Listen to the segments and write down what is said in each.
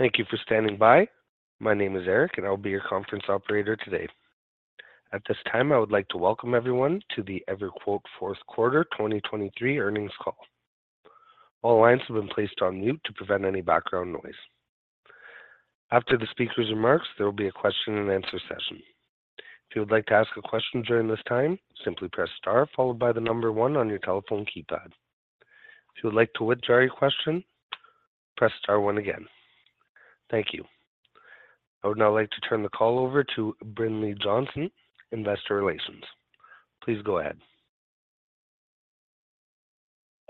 Thank you for standing by. My name is Eric, and I'll be your conference operator today. At this time, I would like to welcome everyone to the EverQuote 4th Quarter 2023 earnings call. All lines have been placed on mute to prevent any background noise. After the speaker's remarks, there will be a question-and-answer session. If you would like to ask a question during this time, simply press star followed by the number one on your telephone keypad. If you would like to withdraw your question, press star one again. Thank you. I would now like to turn the call over to Brinlea Johnson, Investor Relations. Please go ahead.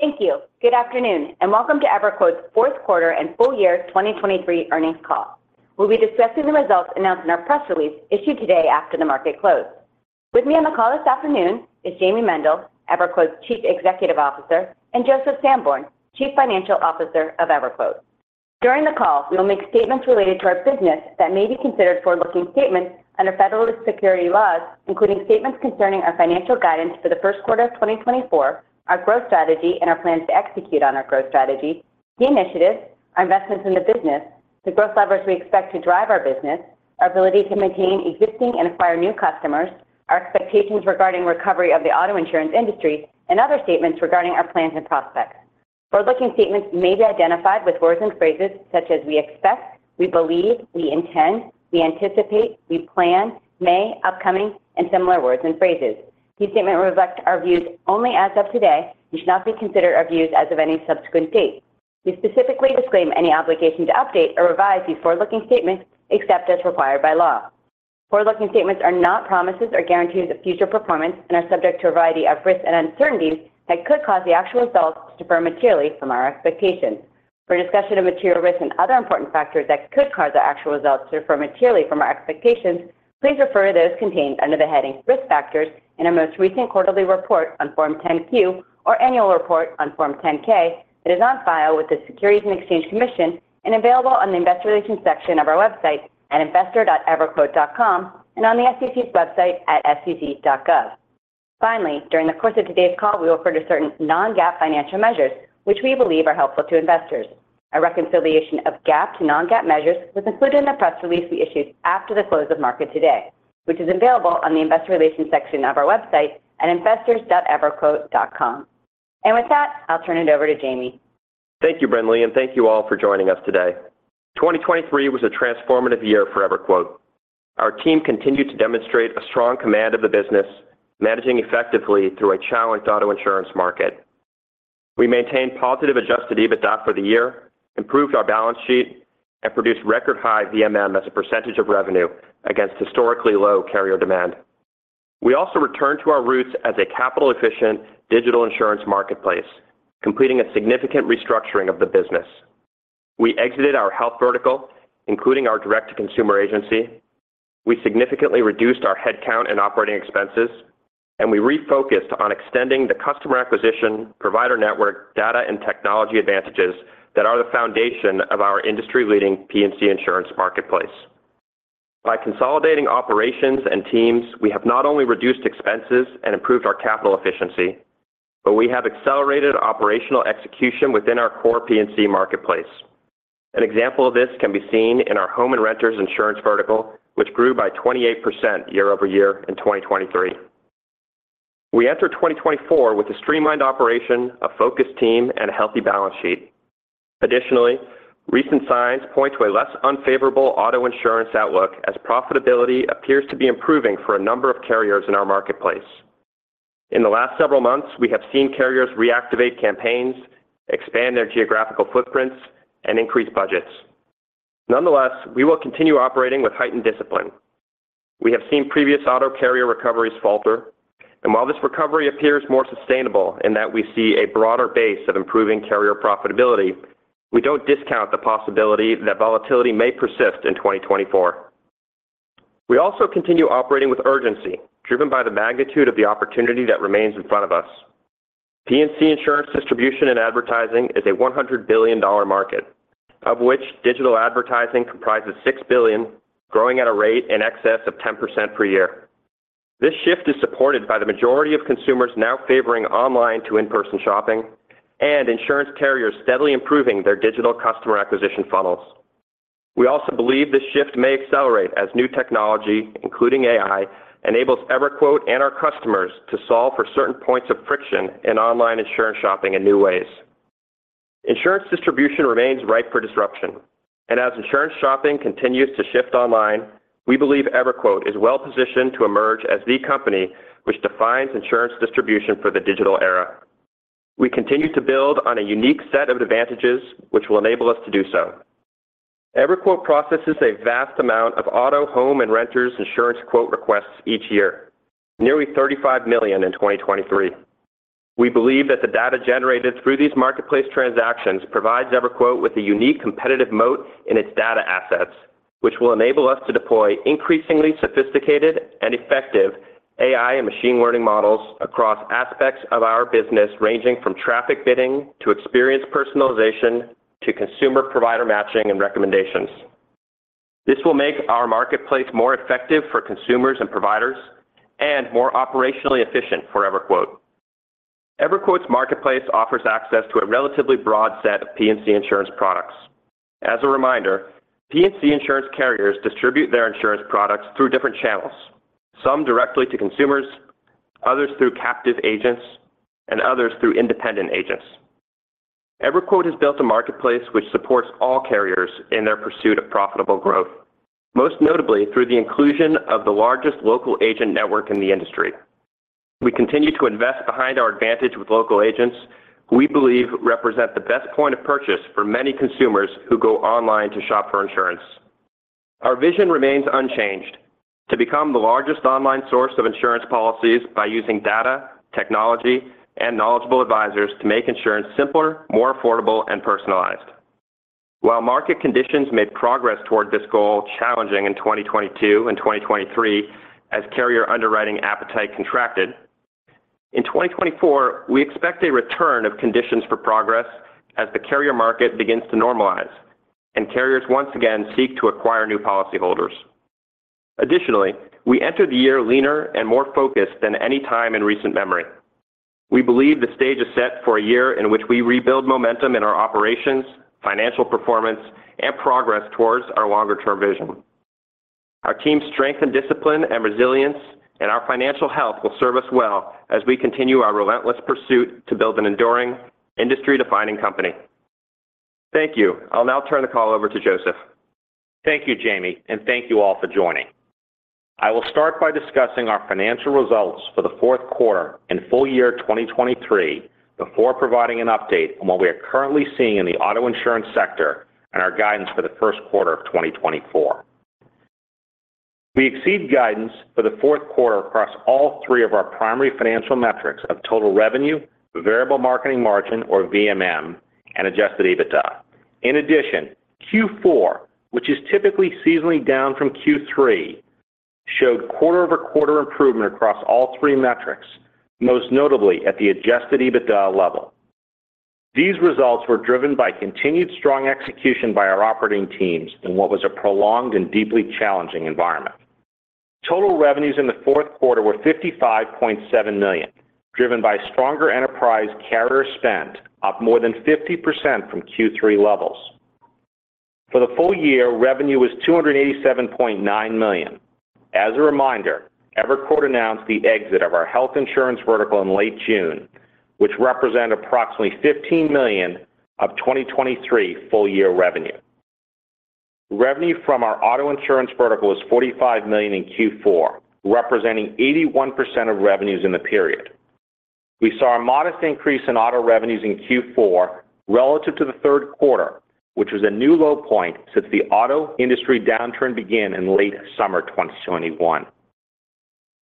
Thank you. Good afternoon, and welcome to EverQuote's 4th Quarter and Full Year 2023 earnings call. We'll be discussing the results announced in our press release issued today after the market closed. With me on the call this afternoon is Jayme Mendal, EverQuote's Chief Executive Officer, and Joseph Sanborn, Chief Financial Officer of EverQuote. During the call, we will make statements related to our business that may be considered forward-looking statements under federal securities laws, including statements concerning our financial guidance for the 1st quarter of 2024, our growth strategy, and our plans to execute on our growth strategy, the initiatives, our investments in the business, the growth levers we expect to drive our business, our ability to maintain existing and acquire new customers, our expectations regarding recovery of the auto insurance industry, and other statements regarding our plans and prospects. Forward-looking statements may be identified with words and phrases such as we expect, we believe, we intend, we anticipate, we plan, may, upcoming, and similar words and phrases. These statements reflect our views only as of today and should not be considered our views as of any subsequent date. We specifically disclaim any obligation to update or revise these forward-looking statements except as required by law. Forward-looking statements are not promises or guarantees of future performance and are subject to a variety of risks and uncertainties that could cause the actual results to differ materially from our expectations. For discussion of material risks and other important factors that could cause the actual results to differ materially from our expectations, please refer to those contained under the heading Risk Factors in our most recent quarterly report on Form 10-Q or annual report on Form 10-K that is on file with the Securities and Exchange Commission and available on the Investor Relations section of our website at investors.everquote.com and on the SEC's website at sec.gov. Finally, during the course of today's call, we will refer to certain non-GAAP financial measures, which we believe are helpful to investors. A reconciliation of GAAP to non-GAAP measures was included in the press release we issued after the close of market today, which is available on the Investor Relations section of our website at investors.everquote.com. With that, I'll turn it over to Jayme. Thank you, Brinlea, and thank you all for joining us today. 2023 was a transformative year for EverQuote. Our team continued to demonstrate a strong command of the business, managing effectively through a challenged auto insurance market. We maintained positive Adjusted EBITDA for the year, improved our balance sheet, and produced record-high VMM as a percentage of revenue against historically low carrier demand. We also returned to our roots as a capital-efficient digital insurance marketplace, completing a significant restructuring of the business. We exited our health vertical, including our direct-to-consumer agency. We significantly reduced our headcount and operating expenses, and we refocused on extending the customer acquisition, provider network, data, and technology advantages that are the foundation of our industry-leading P&C insurance marketplace. By consolidating operations and teams, we have not only reduced expenses and improved our capital efficiency, but we have accelerated operational execution within our core P&C marketplace. An example of this can be seen in our home and renters insurance vertical, which grew by 28% year-over-year in 2023. We entered 2024 with a streamlined operation, a focused team, and a healthy balance sheet. Additionally, recent signs point to a less unfavorable auto insurance outlook as profitability appears to be improving for a number of carriers in our marketplace. In the last several months, we have seen carriers reactivate campaigns, expand their geographical footprints, and increase budgets. Nonetheless, we will continue operating with heightened discipline. We have seen previous auto carrier recoveries falter, and while this recovery appears more sustainable in that we see a broader base of improving carrier profitability, we don't discount the possibility that volatility may persist in 2024. We also continue operating with urgency, driven by the magnitude of the opportunity that remains in front of us. P&C insurance distribution and advertising is a $100 billion market, of which digital advertising comprises $6 billion, growing at a rate in excess of 10% per year. This shift is supported by the majority of consumers now favoring online-to-in-person shopping and insurance carriers steadily improving their digital customer acquisition funnels. We also believe this shift may accelerate as new technology, including AI, enables EverQuote and our customers to solve for certain points of friction in online insurance shopping in new ways. Insurance distribution remains ripe for disruption, and as insurance shopping continues to shift online, we believe EverQuote is well-positioned to emerge as the company which defines insurance distribution for the digital era. We continue to build on a unique set of advantages which will enable us to do so. EverQuote processes a vast amount of auto, home, and renters insurance quote requests each year, nearly 35 million in 2023. We believe that the data generated through these marketplace transactions provides EverQuote with a unique competitive moat in its data assets, which will enable us to deploy increasingly sophisticated and effective AI and machine learning models across aspects of our business ranging from traffic bidding to experience personalization to consumer-provider matching and recommendations. This will make our marketplace more effective for consumers and providers and more operationally efficient for EverQuote. EverQuote's marketplace offers access to a relatively broad set of P&C insurance products. As a reminder, P&C insurance carriers distribute their insurance products through different channels, some directly to consumers, others through captive agents, and others through independent agents. EverQuote has built a marketplace which supports all carriers in their pursuit of profitable growth, most notably through the inclusion of the largest local agent network in the industry. We continue to invest behind our advantage with local agents who we believe represent the best point of purchase for many consumers who go online to shop for insurance. Our vision remains unchanged: to become the largest online source of insurance policies by using data, technology, and knowledgeable advisors to make insurance simpler, more affordable, and personalized. While market conditions made progress toward this goal challenging in 2022 and 2023 as carrier underwriting appetite contracted, in 2024, we expect a return of conditions for progress as the carrier market begins to normalize and carriers once again seek to acquire new policyholders. Additionally, we entered the year leaner and more focused than any time in recent memory. We believe the stage is set for a year in which we rebuild momentum in our operations, financial performance, and progress towards our longer-term vision. Our team's strength and discipline and resilience and our financial health will serve us well as we continue our relentless pursuit to build an enduring, industry-defining company. Thank you. I'll now turn the call over to Joseph. Thank you, Jayme, and thank you all for joining. I will start by discussing our financial results for the 4th Quarter and Full Year 2023 before providing an update on what we are currently seeing in the auto insurance sector and our guidance for the 1st Quarter of 2024. We exceed guidance for the 4th Quarter across all three of our primary financial metrics of total revenue, variable marketing margin, or VMM, and Adjusted EBITDA. In addition, Q4, which is typically seasonally down from Q3, showed quarter-over-quarter improvement across all three metrics, most notably at the Adjusted EBITDA level. These results were driven by continued strong execution by our operating teams in what was a prolonged and deeply challenging environment. Total revenues in the 4th Quarter were $55.7 million, driven by stronger enterprise carrier spend up more than 50% from Q3 levels. For the full year, revenue was $287.9 million. As a reminder, EverQuote announced the exit of our health insurance vertical in late June, which represented approximately $15 million of 2023 full year revenue. Revenue from our auto insurance vertical was $45 million in Q4, representing 81% of revenues in the period. We saw a modest increase in auto revenues in Q4 relative to the third quarter, which was a new low point since the auto industry downturn began in late summer 2021.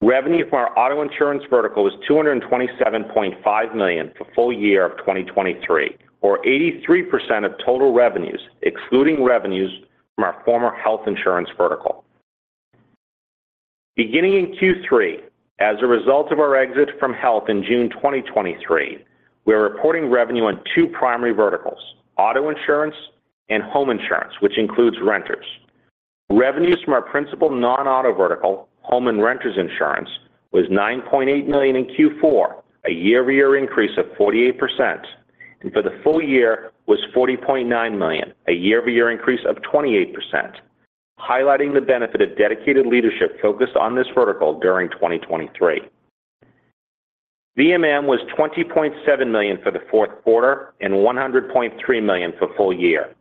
Revenue from our auto insurance vertical was $227.5 million for full year of 2023, or 83% of total revenues excluding revenues from our former health insurance vertical. Beginning in Q3, as a result of our exit from health in June 2023, we are reporting revenue on two primary verticals: auto insurance and home insurance, which includes renters. Revenues from our principal non-auto vertical, home and renters insurance, was $9.8 million in Q4, a year-over-year increase of 48%, and for the full year was $40.9 million, a year-over-year increase of 28%, highlighting the benefit of dedicated leadership focused on this vertical during 2023. VMM was $20.7 million for the 4th Quarter and $100.3 million for full year.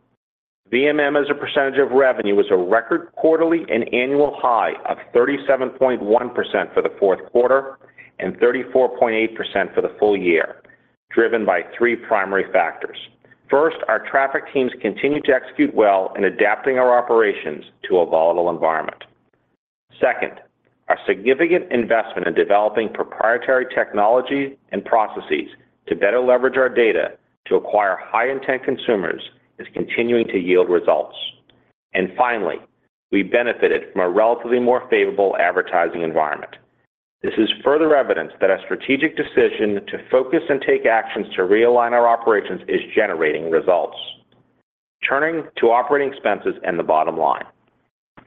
VMM as a percentage of revenue was a record quarterly and annual high of 37.1% for the 4th Quarter and 34.8% for the full year, driven by three primary factors. First, our traffic teams continue to execute well in adapting our operations to a volatile environment. Second, our significant investment in developing proprietary technology and processes to better leverage our data to acquire high-intent consumers is continuing to yield results. And finally, we benefited from a relatively more favorable advertising environment. This is further evidence that our strategic decision to focus and take actions to realign our operations is generating results. Turning to operating expenses and the bottom line.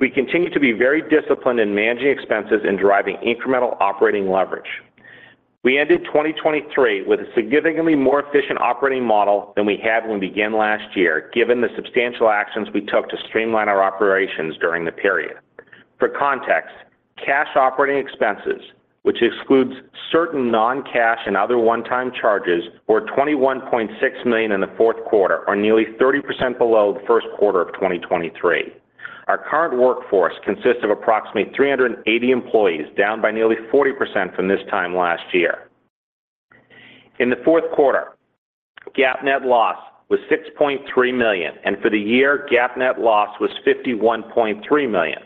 We continue to be very disciplined in managing expenses and driving incremental operating leverage. We ended 2023 with a significantly more efficient operating model than we had when we began last year, given the substantial actions we took to streamline our operations during the period. For context, cash operating expenses, which excludes certain non-cash and other one-time charges, were $21.6 million in the 4th Quarter or nearly 30% below the 1st Quarter of 2023. Our current workforce consists of approximately 380 employees, down by nearly 40% from this time last year. In the 4th Quarter, GAAP net loss was $6.3 million, and for the year, GAAP net loss was $51.3 million,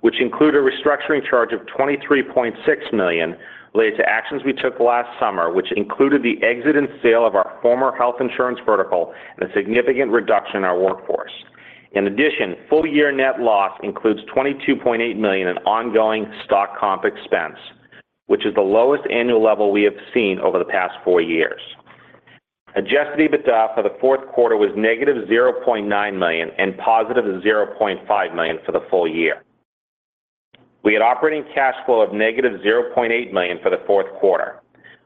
which included a restructuring charge of $23.6 million related to actions we took last summer, which included the exit and sale of our former health insurance vertical and a significant reduction in our workforce. In addition, full year net loss includes $22.8 million in ongoing stock comp expense, which is the lowest annual level we have seen over the past four years. Adjusted EBITDA for the 4th Quarter was negative $0.9 million and positive $0.5 million for the full year. We had operating cash flow of negative $0.8 million for the 4th Quarter.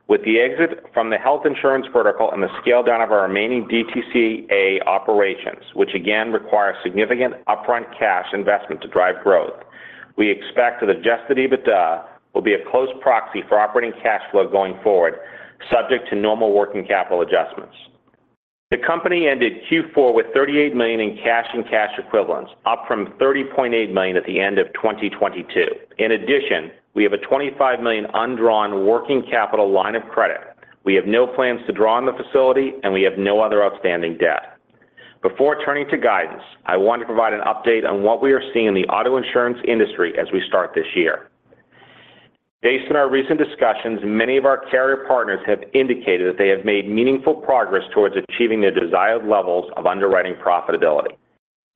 With the exit from the health insurance vertical and the scale down of our remaining DTCA operations, which again require significant upfront cash investment to drive growth, we expect that Adjusted EBITDA will be a close proxy for operating cash flow going forward, subject to normal working capital adjustments. The company ended Q4 with $38 million in cash and cash equivalents, up from $30.8 million at the end of 2022. In addition, we have a $25 million undrawn working capital line of credit. We have no plans to draw on the facility, and we have no other outstanding debt. Before turning to guidance, I want to provide an update on what we are seeing in the auto insurance industry as we start this year. Based on our recent discussions, many of our carrier partners have indicated that they have made meaningful progress towards achieving their desired levels of underwriting profitability.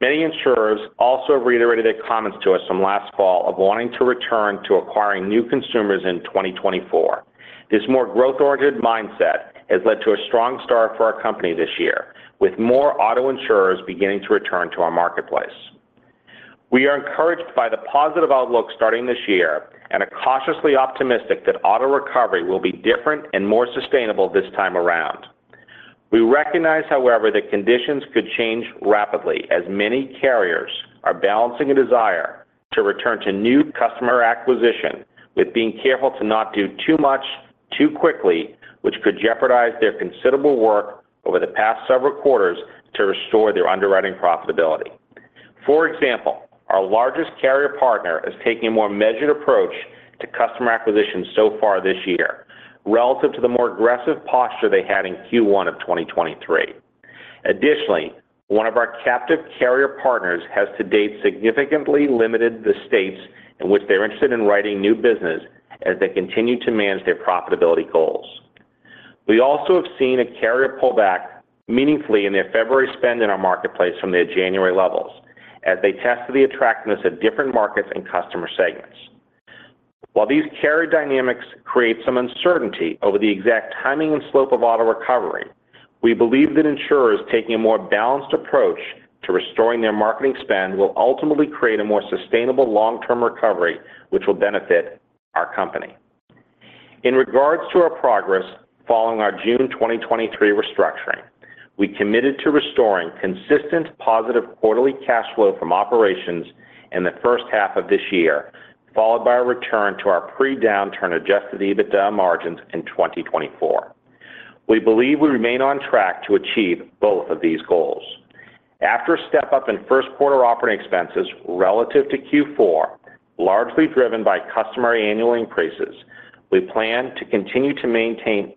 Many insurers also have reiterated their comments to us from last fall of wanting to return to acquiring new consumers in 2024. This more growth-oriented mindset has led to a strong start for our company this year, with more auto insurers beginning to return to our marketplace. We are encouraged by the positive outlook starting this year and are cautiously optimistic that auto recovery will be different and more sustainable this time around. We recognize, however, that conditions could change rapidly as many carriers are balancing a desire to return to new customer acquisition with being careful to not do too much too quickly, which could jeopardize their considerable work over the past several quarters to restore their underwriting profitability. For example, our largest carrier partner is taking a more measured approach to customer acquisition so far this year relative to the more aggressive posture they had in Q1 of 2023. Additionally, one of our captive carrier partners has to date significantly limited the states in which they're interested in writing new business as they continue to manage their profitability goals. We also have seen a carrier pullback meaningfully in their February spend in our marketplace from their January levels as they tested the attractiveness of different markets and customer segments. While these carrier dynamics create some uncertainty over the exact timing and slope of auto recovery, we believe that insurers taking a more balanced approach to restoring their marketing spend will ultimately create a more sustainable long-term recovery, which will benefit our company. In regards to our progress following our June 2023 restructuring, we committed to restoring consistent positive quarterly cash flow from operations in the first half of this year, followed by a return to our pre-downturn Adjusted EBITDA margins in 2024. We believe we remain on track to achieve both of these goals. After a step up in first quarter operating expenses relative to Q4, largely driven by customer annual increases, we plan to continue to maintain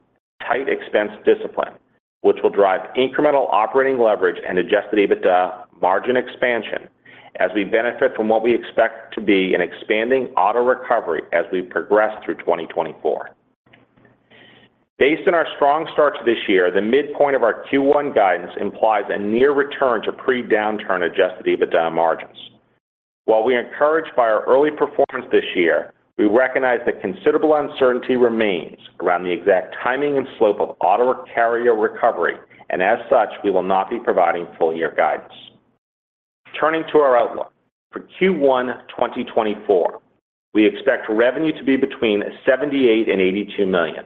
tight expense discipline, which will drive incremental operating leverage and Adjusted EBITDA margin expansion as we benefit from what we expect to be an expanding auto recovery as we progress through 2024. Based on our strong starts this year, the midpoint of our Q1 guidance implies a near return to pre-downturn Adjusted EBITDA margins. While we are encouraged by our early performance this year, we recognize that considerable uncertainty remains around the exact timing and slope of auto carrier recovery, and as such, we will not be providing full year guidance. Turning to our outlook for Q1 2024, we expect revenue to be between $78-$82 million.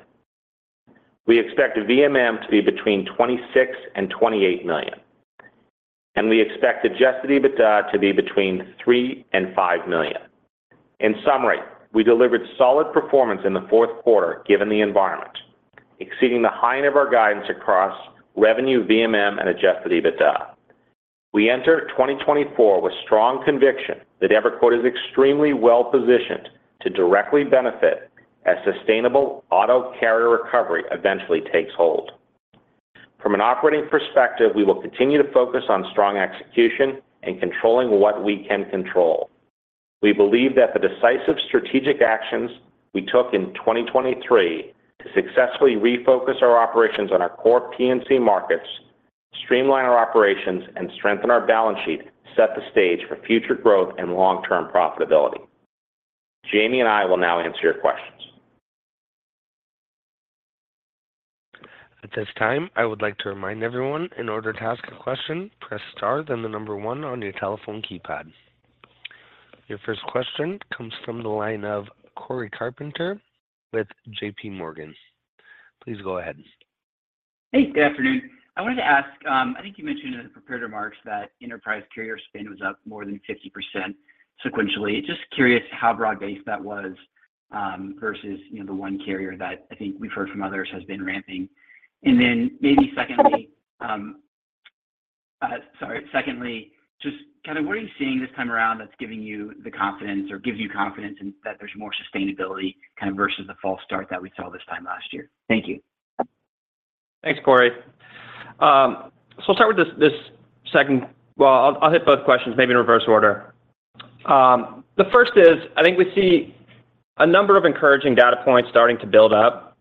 We expect VMM to be between $26-$28 million, and we expect Adjusted EBITDA to be between $3-$5 million. In summary, we delivered solid performance in the 4th Quarter given the environment, exceeding the high end of our guidance across revenue, VMM, and Adjusted EBITDA. We enter 2024 with strong conviction that EverQuote is extremely well-positioned to directly benefit as sustainable auto carrier recovery eventually takes hold. From an operating perspective, we will continue to focus on strong execution and controlling what we can control. We believe that the decisive strategic actions we took in 2023 to successfully refocus our operations on our core P&C markets, streamline our operations, and strengthen our balance sheet set the stage for future growth and long-term profitability. Jayme and I will now answer your questions. At this time, I would like to remind everyone, in order to ask a question, press star then the number one on your telephone keypad. Your first question comes from the line of Cory Carpenter with J.P. Morgan Please go ahead. Hey, good afternoon. I wanted to ask, I think you mentioned in the prepared remarks that enterprise carrier spend was up more than 50% sequentially. Just curious how broad-based that was versus the one carrier that I think we've heard from others has been ramping. And then maybe secondly sorry, secondly, just kind of what are you seeing this time around that's giving you the confidence or gives you confidence in that there's more sustainability kind of versus the false start that we saw this time last year? Thank you. Thanks, Cory. So I'll start with this second, well, I'll hit both questions, maybe in reverse order. The first is, I think we see a number of encouraging data points starting to build up.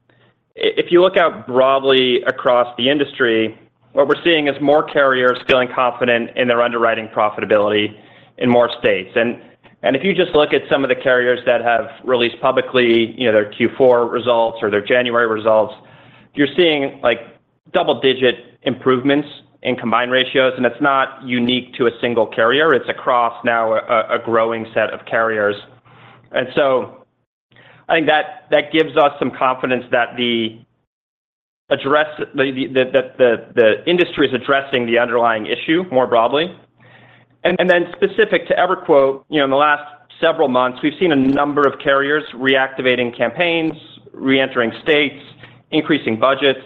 If you look out broadly across the industry, what we're seeing is more carriers feeling confident in their underwriting profitability in more states. And if you just look at some of the carriers that have released publicly their Q4 results or their January results, you're seeing double-digit improvements in combined ratios, and it's not unique to a single carrier. It's across now a growing set of carriers. And so I think that gives us some confidence that the industry is addressing the underlying issue more broadly. And then specific to EverQuote, in the last several months, we've seen a number of carriers reactivating campaigns, reentering states, increasing budgets.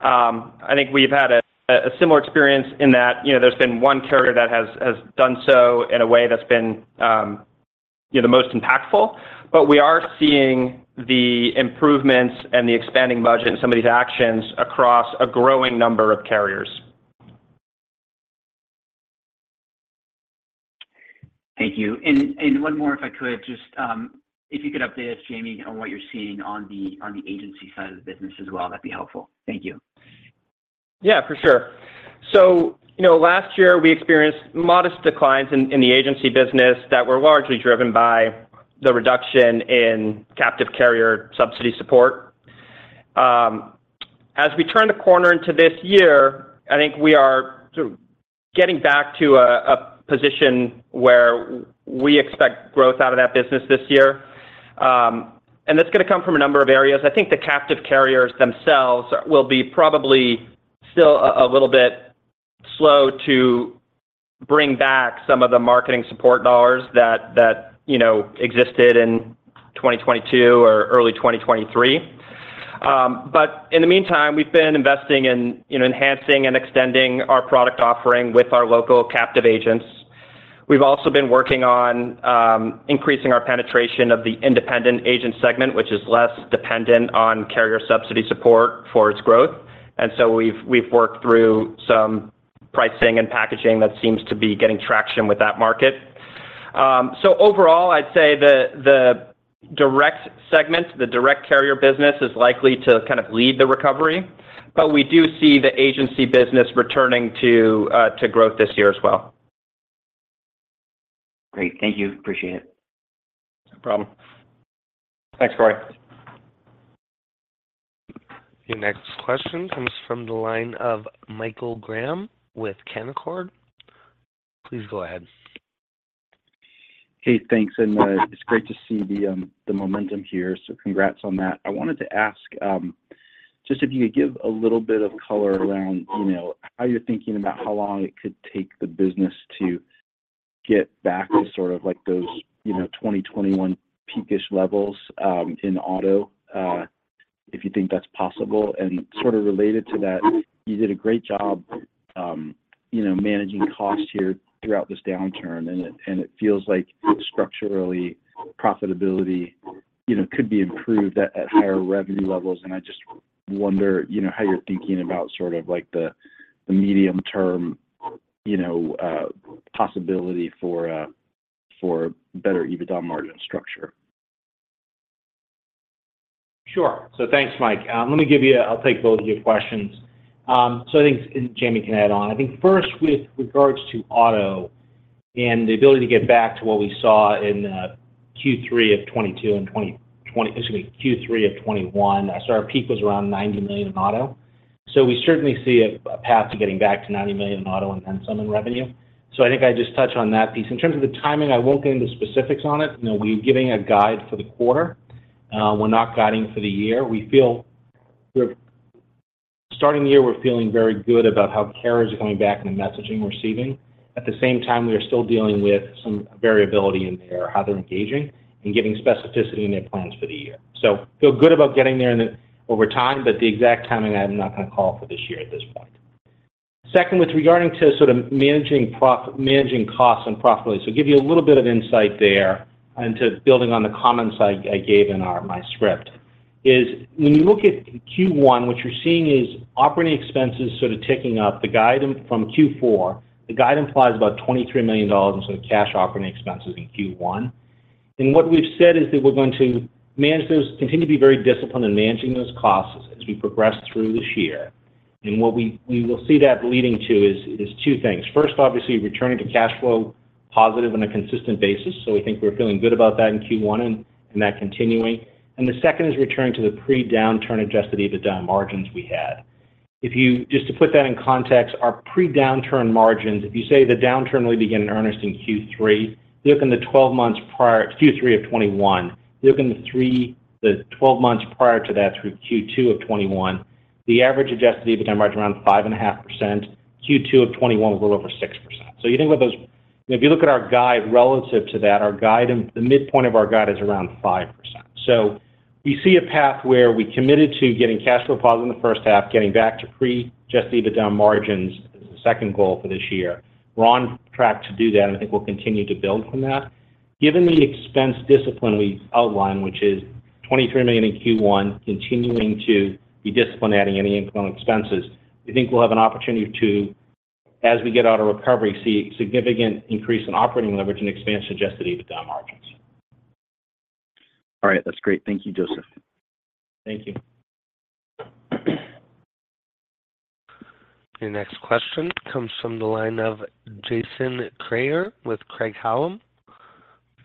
I think we've had a similar experience in that there's been one carrier that has done so in a way that's been the most impactful. But we are seeing the improvements and the expanding budget and some of these actions across a growing number of carriers. Thank you. And one more, if I could, just if you could update us, Jayme, on what you're seeing on the agency side of the business as well, that'd be helpful. Thank you. Yeah, for sure. Last year, we experienced modest declines in the agency business that were largely driven by the reduction in captive carrier subsidy support. As we turn the corner into this year, I think we are sort of getting back to a position where we expect growth out of that business this year. That's going to come from a number of areas. I think the captive carriers themselves will be probably still a little bit slow to bring back some of the marketing support dollars that existed in 2022 or early 2023. In the meantime, we've been investing in enhancing and extending our product offering with our local captive agents. We've also been working on increasing our penetration of the independent agent segment, which is less dependent on carrier subsidy support for its growth. So we've worked through some pricing and packaging that seems to be getting traction with that market. So overall, I'd say the direct segment, the direct carrier business, is likely to kind of lead the recovery. But we do see the agency business returning to growth this year as well. Great. Thank you. Appreciate it. No problem. Thanks, Cory. Your next question comes from the line of Michael Graham with Canaccord. Please go ahead. Hey, thanks. And it's great to see the momentum here. So congrats on that. I wanted to ask just if you could give a little bit of color around how you're thinking about how long it could take the business to get back to sort of those 2021 peakish levels in auto, if you think that's possible. And sort of related to that, you did a great job managing cost here throughout this downturn, and it feels like structurally, profitability could be improved at higher revenue levels. And I just wonder how you're thinking about sort of the medium-term possibility for better EBITDA margin structure. Sure. So thanks, Mike. I'll take both of your questions. So I think Jayme can add on. I think first, with regards to auto and the ability to get back to what we saw in Q3 of 2022 and 2020, excuse me, Q3 of 2021. I saw our peak was around $90 million in auto. So we certainly see a path to getting back to $90 million in auto and then some in revenue. So I think I just touched on that piece. In terms of the timing, I won't get into specifics on it. We're giving a guide for the quarter. We're not guiding for the year. We feel starting the year, we're feeling very good about how carriers are coming back and the messaging we're receiving. At the same time, we are still dealing with some variability in their how they're engaging and giving specificity in their plans for the year. So feel good about getting there over time, but the exact timing, I'm not going to call for this year at this point. Second, with regarding to sort of managing costs and profitability, so give you a little bit of insight there into building on the comments I gave in my script, is when you look at Q1, what you're seeing is operating expenses sort of ticking up. The guide from Q4, the guide implies about $23 million in sort of cash operating expenses in Q1. And what we've said is that we're going to continue to be very disciplined in managing those costs as we progress through this year. And what we will see that leading to is two things. First, obviously, returning to cash flow positive on a consistent basis. So we think we're feeling good about that in Q1 and that continuing. And the second is returning to the pre-downturn Adjusted EBITDA margins we had. Just to put that in context, our pre-downturn margins, if you say the downturn really began in earnest in Q3, look in the 12 months prior Q3 of 2021, look in the 12 months prior to that through Q2 of 2021, the average Adjusted EBITDA margin around 5.5%. Q2 of 2021 was a little over 6%. So you think about those if you look at our guide relative to that, the midpoint of our guide is around 5%. So we see a path where we committed to getting cash flow positive in the first half, getting back to pre-Adjusted EBITDA margins as the second goal for this year. We're on track to do that, and I think we'll continue to build from that. Given the expense discipline we outlined, which is $23 million in Q1, continuing to be disciplined adding any incremental expenses, we think we'll have an opportunity to, as we get out of recovery, see a significant increase in operating leverage and expanded Adjusted EBITDA margins. All right. That's great. Thank you, Joseph. Thank you. Your next question comes from the line of Jason Kreyer with Craig-Hallum.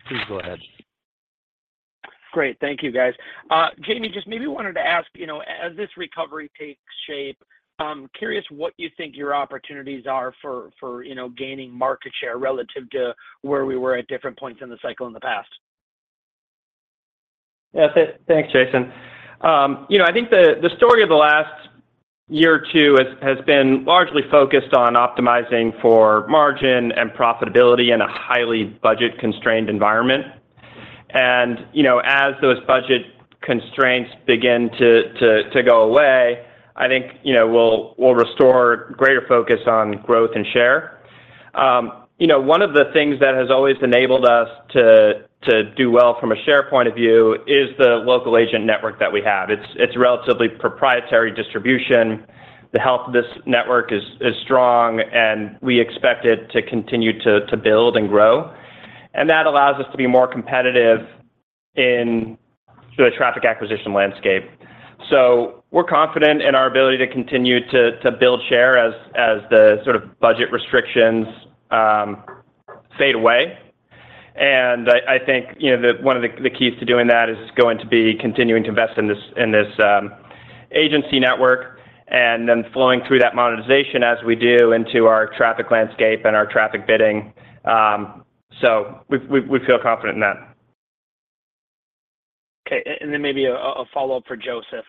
Please go ahead. Great. Thank you, guys. Jayme, just maybe wanted to ask, as this recovery takes shape, curious what you think your opportunities are for gaining market share relative to where we were at different points in the cycle in the past. Yeah. Thanks, Jason. I think the story of the last year or two has been largely focused on optimizing for margin and profitability in a highly budget-constrained environment. And as those budget constraints begin to go away, I think we'll restore greater focus on growth and share. One of the things that has always enabled us to do well from a share point of view is the local agent network that we have. It's a relatively proprietary distribution. The health of this network is strong, and we expect it to continue to build and grow. And that allows us to be more competitive in the traffic acquisition landscape. So we're confident in our ability to continue to build share as the sort of budget restrictions fade away. I think that one of the keys to doing that is going to be continuing to invest in this agency network and then flowing through that monetization as we do into our traffic landscape and our traffic bidding. We feel confident in that. Okay. Maybe a follow-up for Joseph.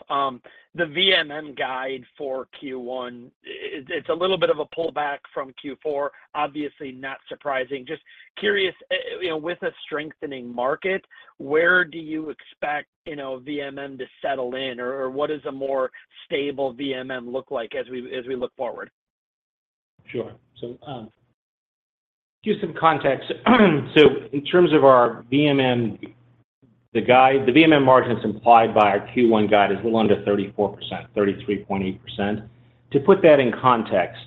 The VMM guide for Q1, it's a little bit of a pullback from Q4, obviously not surprising. Just curious, with a strengthening market, where do you expect VMM to settle in, or what does a more stable VMM look like as we look forward? Sure. So, give you some context. So in terms of our VMM, the guide, the VMM margins implied by our Q1 guide is a little under 34%, 33.8%. To put that in context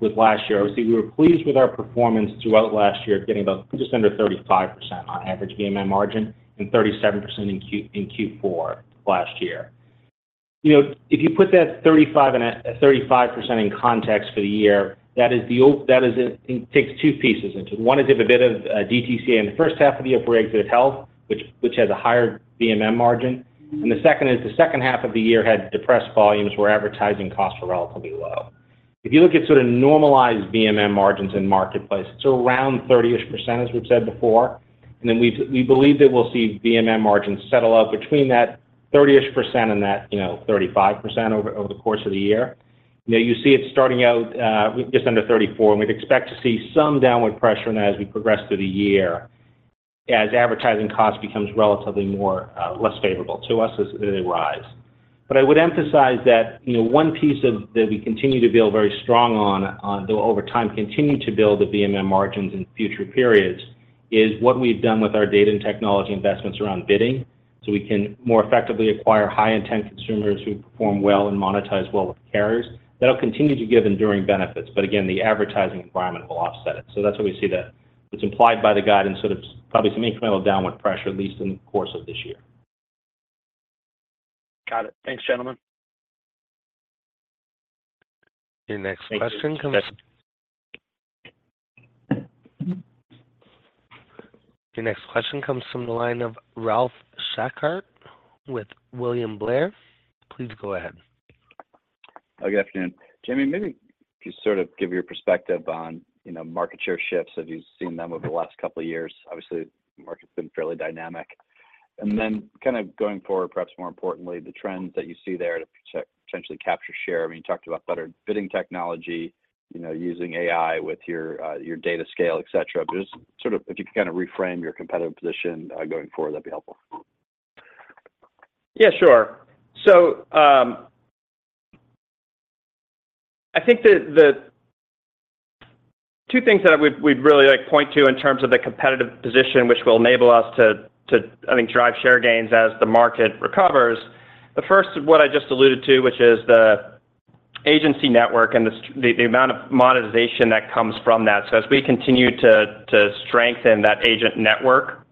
with last year, obviously, we were pleased with our performance throughout last year of getting just under 35% on average VMM margin and 37% in Q4 last year. If you put that 35% in context for the year, that takes two pieces into it. One is a bit of DTCA in the first half of the year for exit at health, which has a higher VMM margin. And the second is the second half of the year had depressed volumes where advertising costs were relatively low. If you look at sort of normalized VMM margins in marketplace, it's around 30%-ish, as we've said before. Then we believe that we'll see VMM margins settle up between that 30-ish% and that 35% over the course of the year. You see it starting out just under 34%, and we'd expect to see some downward pressure in that as we progress through the year, as advertising costs become less favorable to us as they rise. I would emphasize that one piece that we continue to feel very strong on, and they'll over time continue to build the VMM margins in future periods, is what we've done with our data and technology investments around bidding so we can more effectively acquire high-intent consumers who perform well and monetize well with carriers. That'll continue to give enduring benefits, but again, the advertising environment will offset it. So that's what we see that's implied by the guide and sort of probably some incremental downward pressure, at least in the course of this year. Got it. Thanks, gentlemen. Your next question comes from the line of Ralph Schackart with William Blair. Please go ahead. Good afternoon. Jayme, maybe if you sort of give your perspective on market share shifts, have you seen them over the last couple of years? Obviously, the market's been fairly dynamic. And then kind of going forward, perhaps more importantly, the trends that you see there to potentially capture share. I mean, you talked about better bidding technology, using AI with your data scale, etc. But just sort of if you could kind of reframe your competitive position going forward, that'd be helpful. Yeah, sure. So I think the two things that we'd really like to point to in terms of the competitive position, which will enable us to, I think, drive share gains as the market recovers, the first is what I just alluded to, which is the agency network and the amount of monetization that comes from that. So as we continue to strengthen that agent network,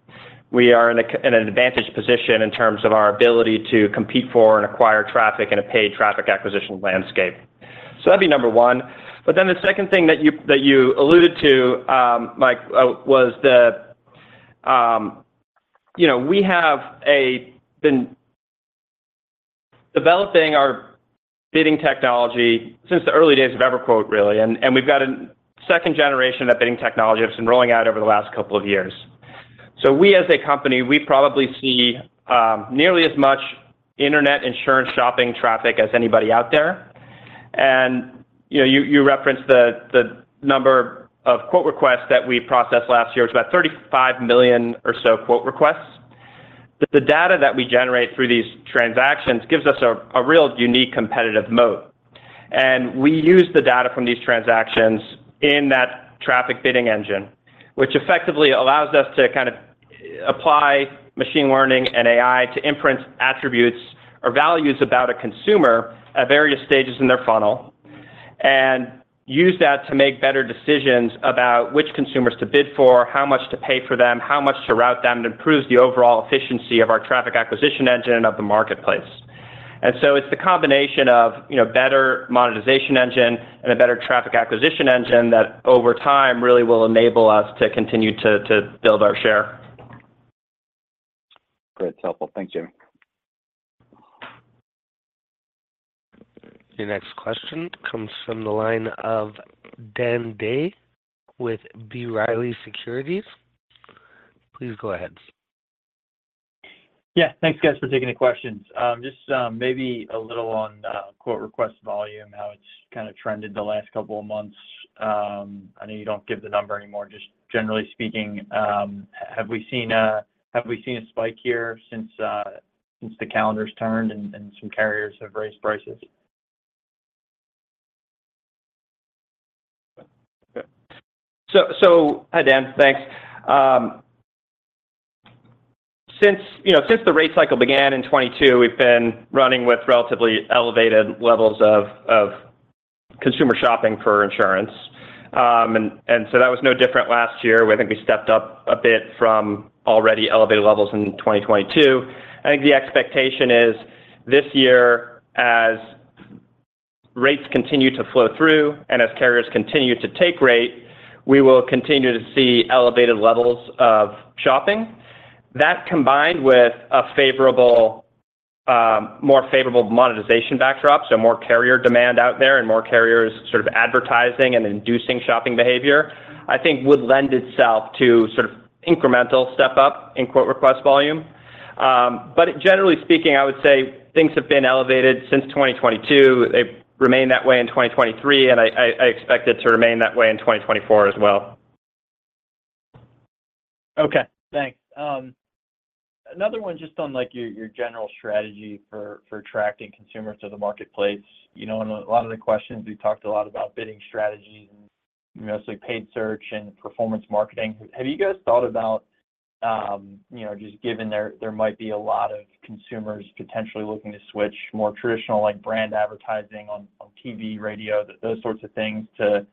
we are in an advantaged position in terms of our ability to compete for and acquire traffic in a paid traffic acquisition landscape. So that'd be number one. But then the second thing that you alluded to, Mike, was, we have been developing our bidding technology since the early days of EverQuote, really. And we've got a second generation of bidding technology that's been rolling out over the last couple of years. So we, as a company, we probably see nearly as much internet insurance shopping traffic as anybody out there. And you referenced the number of quote requests that we processed last year. It was about 35 million or so quote requests. The data that we generate through these transactions gives us a real unique competitive moat. And we use the data from these transactions in that traffic bidding engine, which effectively allows us to kind of apply machine learning and AI to inference attributes or values about a consumer at various stages in their funnel and use that to make better decisions about which consumers to bid for, how much to pay for them, how much to route them to improve the overall efficiency of our traffic acquisition engine and of the marketplace. And so it's the combination of a better monetization engine and a better traffic acquisition engine that, over time, really will enable us to continue to build our share. Great. It's helpful. Thanks, Jayme. Your next question comes from the line of Dan Day with B. Riley Securities. Please go ahead. Yeah. Thanks, guys, for taking the questions. Just maybe a little on quote request volume, how it's kind of trended the last couple of months. I know you don't give the number anymore. Just generally speaking, have we seen a spike here since the calendar's turned and some carriers have raised prices? Okay. So hi, Dan. Thanks. Since the rate cycle began in 2022, we've been running with relatively elevated levels of consumer shopping for insurance. And so that was no different last year. I think we stepped up a bit from already elevated levels in 2022. I think the expectation is this year, as rates continue to flow through and as carriers continue to take rate, we will continue to see elevated levels of shopping. That combined with a more favorable monetization backdrop, so more carrier demand out there and more carriers sort of advertising and inducing shopping behavior, I think would lend itself to sort of incremental step-up in quote request volume. But generally speaking, I would say things have been elevated since 2022. They remain that way in 2023, and I expect it to remain that way in 2024 as well. Okay. Thanks. Another one just on your general strategy for attracting consumers to the marketplace. On a lot of the questions, we talked a lot about bidding strategies and mostly paid search and performance marketing. Have you guys thought about, just given there might be a lot of consumers potentially looking to switch more traditional brand advertising on TV, radio, those sorts of things, to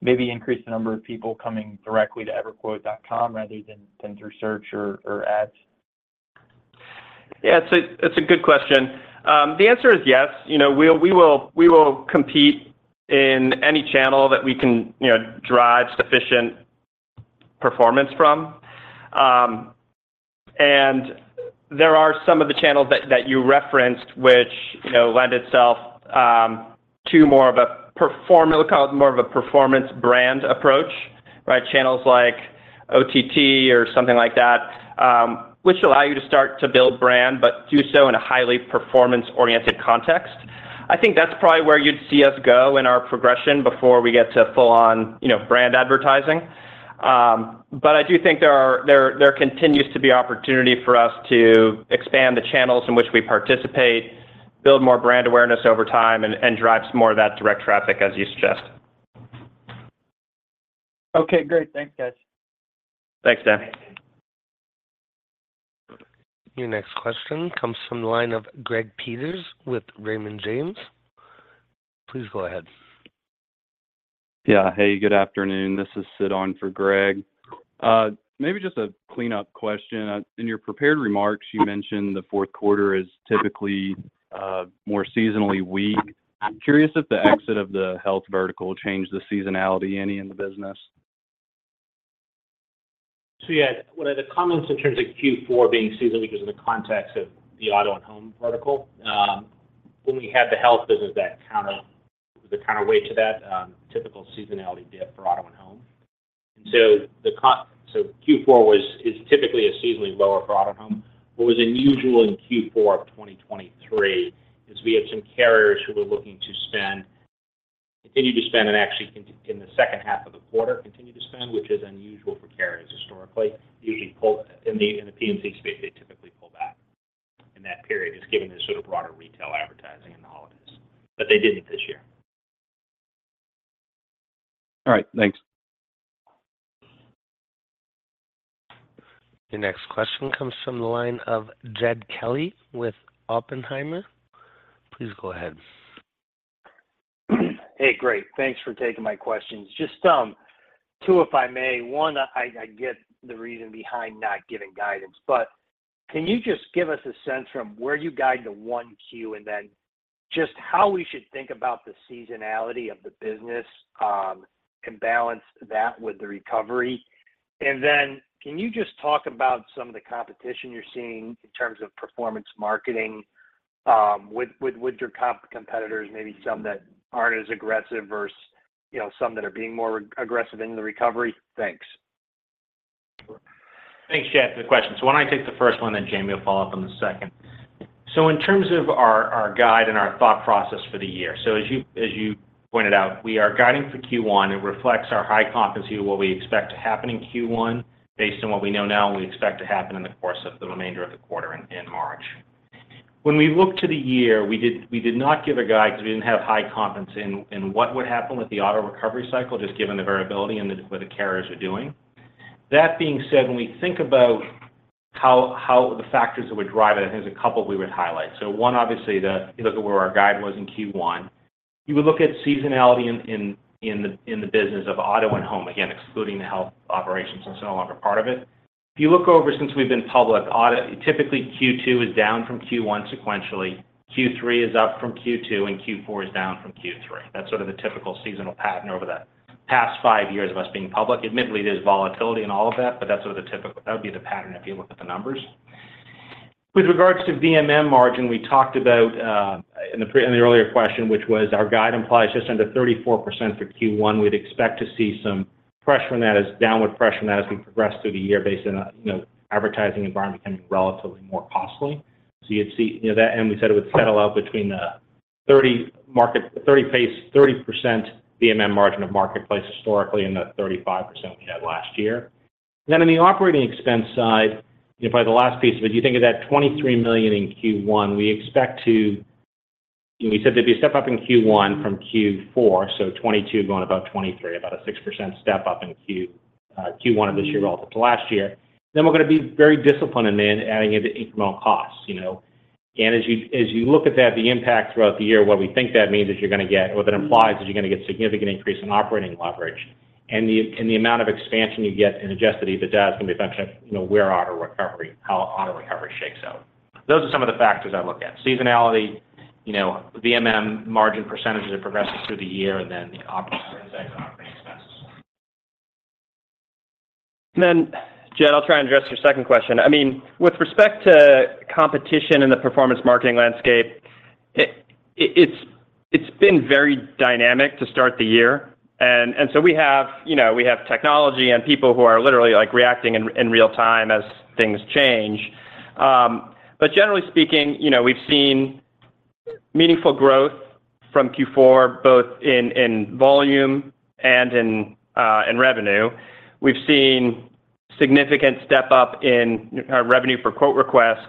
maybe increase the number of people coming directly to EverQuote.com rather than through search or ads? Yeah. It's a good question. The answer is yes. We will compete in any channel that we can drive sufficient performance from. There are some of the channels that you referenced, which lend itself to more of a we'll call it more of a performance brand approach, right? Channels like OTT or something like that, which allow you to start to build brand, but do so in a highly performance-oriented context. I think that's probably where you'd see us go in our progression before we get to full-on brand advertising. But I do think there continues to be opportunity for us to expand the channels in which we participate, build more brand awareness over time, and drive more of that direct traffic, as you suggest. Okay. Great. Thanks, guys. Thanks, Dan. Your next question comes from the line of Greg Peters with Raymond James. Please go ahead. Yeah. Hey. Good afternoon. This is Sid on for Greg. Maybe just a cleanup question. In your prepared remarks, you mentioned the fourth quarter is typically more seasonally weak. Curious if the exit of the health vertical changed the seasonality any in the business? So yeah. One of the comments in terms of Q4 being seasonally weak was in the context of the auto and home vertical. When we had the health business, that was a counterweight to that typical seasonality dip for auto and home. And so Q4 is typically a seasonally lower for auto and home. What was unusual in Q4 of 2023 is we had some carriers who were looking to continue to spend and actually, in the second half of the quarter, continue to spend, which is unusual for carriers historically. Usually, in the P&C space, they typically pull back in that period, just given the sort of broader retail advertising and the holidays. But they didn't this year. All right. Thanks. Your next question comes from the line of Jed Kelly with Oppenheimer. Please go ahead. Hey. Great. Thanks for taking my questions. Just two, if I may. one, I get the reason behind not giving guidance. But can you just give us a sense from where you guide the 1Q and then just how we should think about the seasonality of the business and balance that with the recovery? And then can you just talk about some of the competition you're seeing in terms of performance marketing with your competitors, maybe some that aren't as aggressive versus some that are being more aggressive in the recovery? Thanks. Thanks, Jed, for the question. So why don't I take the first one, and then Jayme will follow up on the second. So in terms of our guide and our thought process for the year so as you pointed out, we are guiding for Q1. It reflects our high confidence of what we expect to happen in Q1 based on what we know now and we expect to happen in the course of the remainder of the quarter in March. When we look to the year, we did not give a guide because we didn't have high confidence in what would happen with the auto recovery cycle, just given the variability and what the carriers were doing. That being said, when we think about the factors that would drive it, I think there's a couple we would highlight. So one, obviously, if you look at where our guide was in Q1, you would look at seasonality in the business of auto and home, again, excluding the health operations that's no longer part of it. If you look over since we've been public, typically, Q2 is down from Q1 sequentially. Q3 is up from Q2, and Q4 is down from Q3. That's sort of the typical seasonal pattern over the past five years of us being public. Admittedly, there's volatility in all of that, but that's sort of the typical that would be the pattern if you look at the numbers. With regards to VMM margin, we talked about in the earlier question, which was our guide implies just under 34% for Q1. We'd expect to see some downward pressure in that as we progress through the year based on the advertising environment becoming relatively more costly. So you'd see that, and we said it would settle out between the 30% VMM margin of marketplace historically and the 35% we had last year. Then on the operating expense side, by the last piece of it, you think of that $23 million in Q1. We expect to, we said there'd be a step-up in Q1 from Q4, so 2022 going about 2023, about a 6% step-up in Q1 of this year relative to last year. Then we're going to be very disciplined in adding in the incremental costs. Again, as you look at that, the impact throughout the year, what we think that means is you're going to get what that implies is you're going to get a significant increase in operating leverage and the amount of expansion you get in Adjusted EBITDA is going to be a function of where auto recovery shakes out. Those are some of the factors I look at: seasonality, VMM margin percentages that progress through the year, and then the index operating expenses. Then, Jed, I'll try and address your second question. I mean, with respect to competition in the performance marketing landscape, it's been very dynamic to start the year. And so we have technology and people who are literally reacting in real time as things change. But generally speaking, we've seen meaningful growth from Q4, both in volume and in revenue. We've seen significant step-up in our revenue for quote requests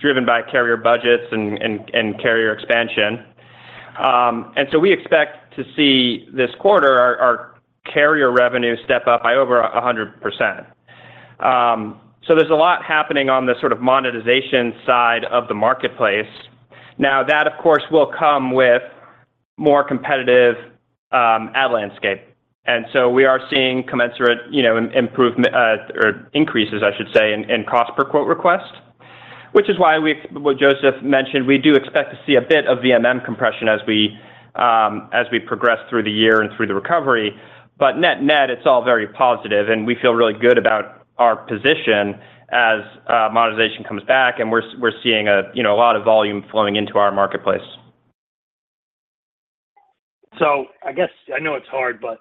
driven by carrier budgets and carrier expansion. And so we expect to see this quarter our carrier revenue step up by over 100%. So there's a lot happening on the sort of monetization side of the marketplace. Now, that, of course, will come with more competitive ad landscape. And so we are seeing commensurate improvements or increases, I should say, in cost per quote request, which is why, what Joseph mentioned, we do expect to see a bit of VMM compression as we progress through the year and through the recovery. But net-net, it's all very positive, and we feel really good about our position as monetization comes back, and we're seeing a lot of volume flowing into our marketplace. I guess I know it's hard, but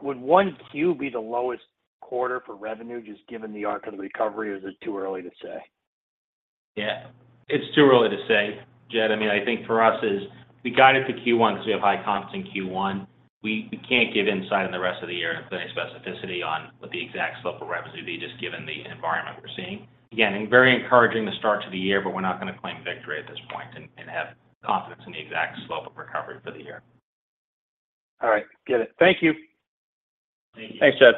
would 1Q be the lowest quarter for revenue, just given the arc of the recovery, or is it too early to say? Yeah. It's too early to say, Jed. I mean, I think for us, we guided for Q1 because we have high confidence in Q1. We can't give insight in the rest of the year with any specificity on what the exact slope of revenue would be, just given the environment we're seeing. Again, very encouraging to start to the year, but we're not going to claim victory at this point and have confidence in the exact slope of recovery for the year. All right. Got it. Thank you. Thank you. Thanks, Jed.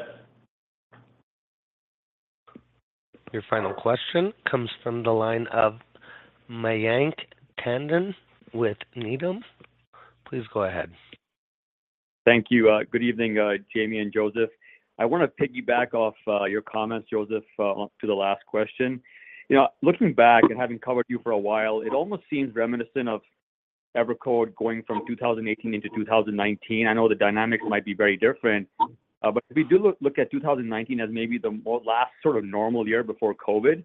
Your final question comes from the line of Mayank Tandon with Needham. Please go ahead. Thank you. Good evening, Jayme and Joseph. I want to piggyback off your comments, Joseph, to the last question. Looking back and having covered you for a while, it almost seems reminiscent of EverQuote going from 2018 into 2019. I know the dynamics might be very different, but if we do look at 2019 as maybe the last sort of normal year before COVID,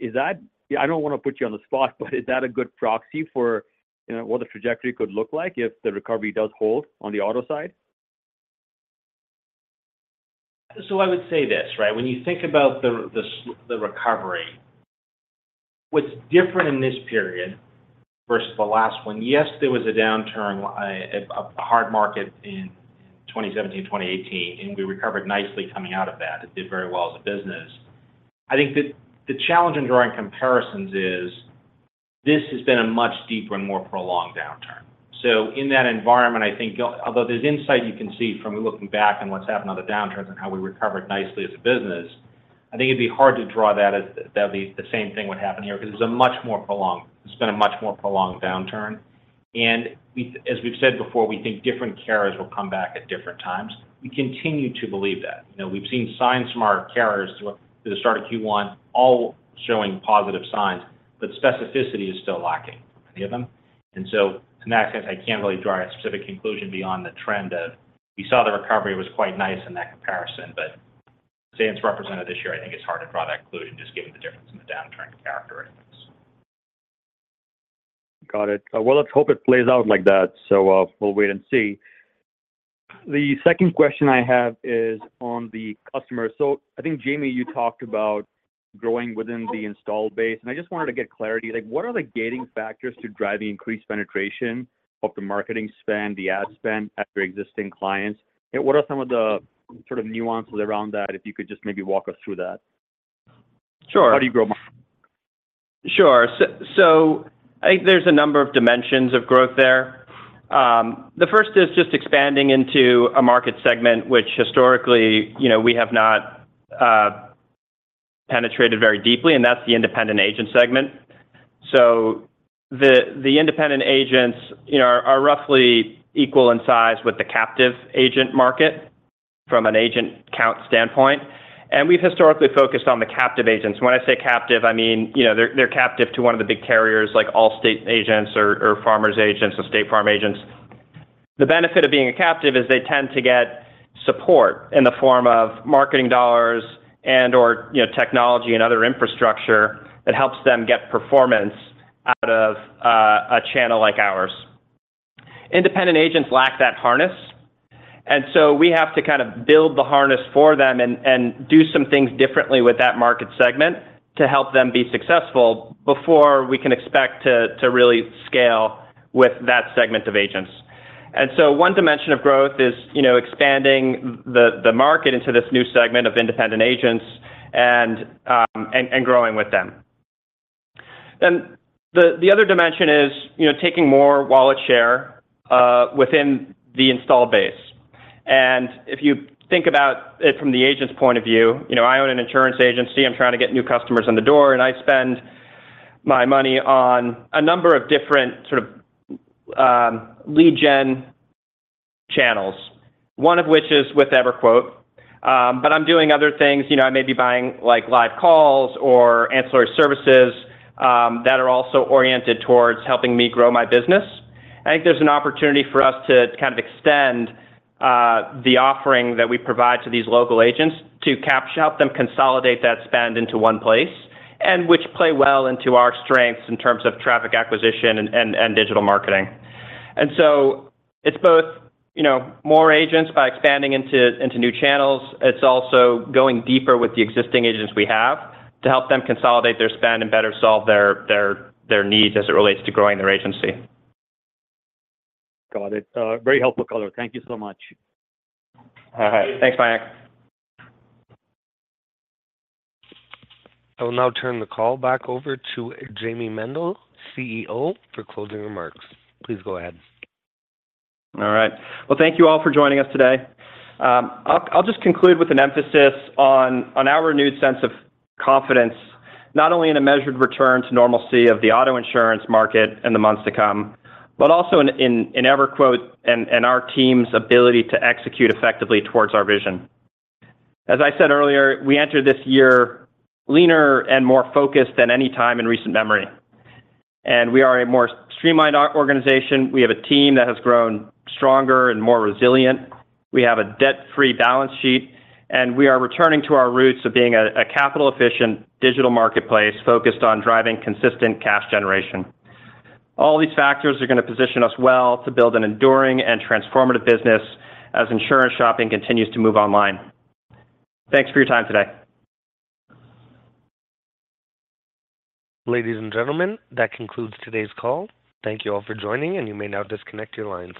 is that—I don't want to put you on the spot, but is that a good proxy for what the trajectory could look like if the recovery does hold on the auto side? So I would say this, right? When you think about the recovery, what's different in this period versus the last one? Yes, there was a downturn, a hard market in 2017, 2018, and we recovered nicely coming out of that. It did very well as a business. I think that the challenge in drawing comparisons is this has been a much deeper and more prolonged downturn. So in that environment, I think although there's insight you can see from looking back on what's happened on the downturns and how we recovered nicely as a business, I think it'd be hard to draw that as the same thing would happen here because it's been a much more prolonged downturn. And as we've said before, we think different carriers will come back at different times. We continue to believe that. We've seen signs from our carriers to the start of Q1 all showing positive signs, but specificity is still lacking, many of them. And so in that sense, I can't really draw a specific conclusion beyond the trend of we saw the recovery. It was quite nice in that comparison, but saying it's represented this year, I think it's hard to draw that conclusion just given the difference in the downturn characteristics. Got it. Well, let's hope it plays out like that, so we'll wait and see. The second question I have is on the customers. So I think, Jayme, you talked about growing within the installed base, and I just wanted to get clarity. What are the gating factors to driving increased penetration of the marketing spend, the ad spend, at your existing clients? What are some of the sort of nuances around that, if you could just maybe walk us through that? How do you grow market? Sure. So I think there's a number of dimensions of growth there. The first is just expanding into a market segment which, historically, we have not penetrated very deeply, and that's the independent agent segment. So the independent agents are roughly equal in size with the captive agent market from an agent count standpoint. And we've historically focused on the captive agents. When I say captive, I mean they're captive to one of the big carriers, like Allstate agents or Farmers' agents or State Farm agents. The benefit of being a captive is they tend to get support in the form of marketing dollars and/or technology and other infrastructure that helps them get performance out of a channel like ours. Independent agents lack that harness, and so we have to kind of build the harness for them and do some things differently with that market segment to help them be successful before we can expect to really scale with that segment of agents. And so one dimension of growth is expanding the market into this new segment of independent agents and growing with them. Then the other dimension is taking more wallet share within the installed base. And if you think about it from the agent's point of view, I own an insurance agency. I'm trying to get new customers in the door, and I spend my money on a number of different sort of lead-gen channels, one of which is with EverQuote. But I'm doing other things. I may be buying live calls or ancillary services that are also oriented towards helping me grow my business. I think there's an opportunity for us to kind of extend the offering that we provide to these local agents to help them consolidate that spend into one place and which play well into our strengths in terms of traffic acquisition and digital marketing. And so it's both more agents by expanding into new channels. It's also going deeper with the existing agents we have to help them consolidate their spend and better solve their needs as it relates to growing their agency. Got it. Very helpful, color. Thank you so much. All right. Thanks, Mayank. I will now turn the call back over to Jayme Mendal, CEO, for closing remarks. Please go ahead. All right. Well, thank you all for joining us today. I'll just conclude with an emphasis on our renewed sense of confidence, not only in a measured return to normalcy of the auto insurance market in the months to come, but also in EverQuote and our team's ability to execute effectively towards our vision. As I said earlier, we entered this year leaner and more focused than any time in recent memory. We are a more streamlined organization. We have a team that has grown stronger and more resilient. We have a debt-free balance sheet, and we are returning to our roots of being a capital-efficient digital marketplace focused on driving consistent cash generation. All these factors are going to position us well to build an enduring and transformative business as insurance shopping continues to move online. Thanks for your time today. Ladies and gentlemen, that concludes today's call. Thank you all for joining, and you may now disconnect your lines.